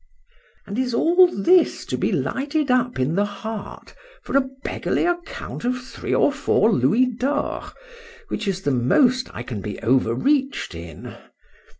— —And is all this to be lighted up in the heart for a beggarly account of three or four louis d'ors, which is the most I can be overreached in?